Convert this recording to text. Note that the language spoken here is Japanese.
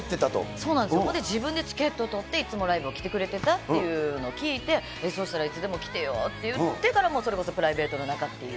それで自分でチケット取って、いつも、ライブに来てくれてたっていうのを聞いて、そうしたらいつでも来てよって言ってから、もうそれこそプライベートの仲っていう。